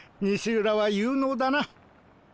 西浦は有能だな。